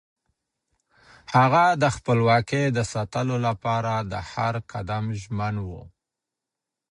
هغه د خپلواکۍ د ساتلو لپاره د هر قدم ژمن و.